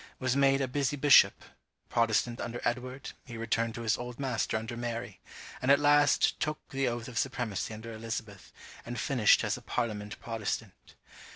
was made a busy bishop; Protestant under Edward, he returned to his old master under Mary; and at last took the oath of supremacy under Elizabeth, and finished as a parliament Protestant.